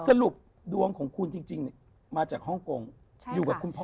สรุปดวงของคุณจริงมาจากฮ่องกงอยู่กับคุณพ่อ